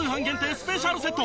スペシャルセット